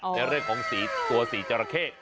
ในเรื่องของสีตัวสีจราเข้